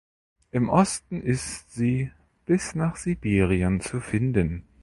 Im Osten ist sie bis nach Sibirien zu finden.